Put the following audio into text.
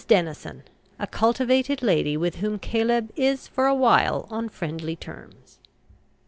DENISON, a cultivated lady with whom Caleb is for a while on friendly terms.